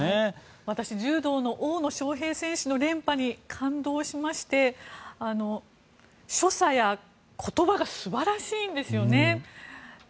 私、柔道の大野将平選手の連覇に感動しまして、所作や言葉が素晴らしいんですよね。